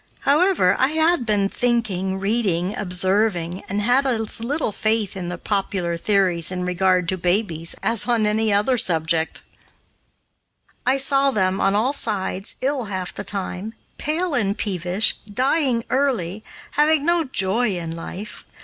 However, I had been thinking, reading, observing, and had as little faith in the popular theories in regard to babies as on any other subject. I saw them, on all sides, ill half the time, pale and peevish, dying early, having no joy in life.